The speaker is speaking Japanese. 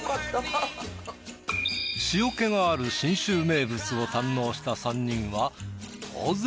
塩気がある信州名物を堪能した３人は当然。